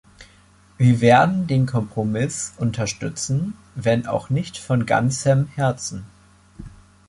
Wir werden den Kompromiss unterstützen, wenn auch nicht von ganzem Herzen.